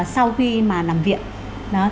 sau khi làm viện